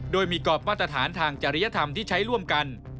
โดยมีกรอบมาตรฐานทางจริยธรรมที่ใช้ร่วมกัน